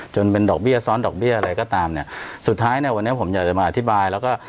จนเป็นดอกเบี้ยซ้อนดอกเบี้ยอะไรก็ตามเนี่ยสุดท้ายเนี่ยวันนี้ผมอยากจะมาอธิบายแล้วก็